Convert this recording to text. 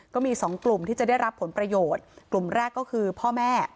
ก็มีสองกลุ่มที่จะได้รับผลประโยชน์กลุ่มแรกก็คือพ่อแม่